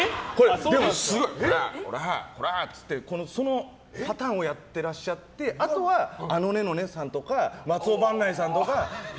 コラーっつって、そのパターンをやっていらっしゃってあとは、あのねのねさんとか松尾伴内さんとか。